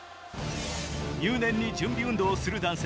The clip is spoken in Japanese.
入念に準備運動をする男性。